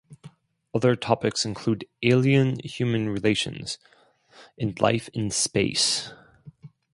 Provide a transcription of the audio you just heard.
Other topics include alien-human relations and life in space.